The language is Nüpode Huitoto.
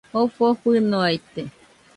Jofo fɨnoaite